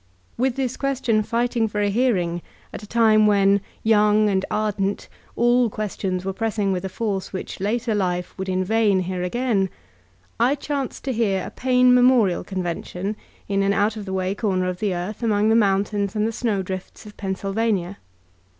With thb question fighting for a hearing at a time when, young and ardent, all questions were pressing with a force which later life would in vain hear again, I chanced to attend a The Making of an Anarchist 157 Paine Memorial G>nvention b an out of the way corner of the earth among the mountains and the snow drifts of Pennsylvania.